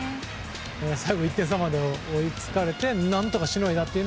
最後１点差まで追いつかれて何とかしのいだという。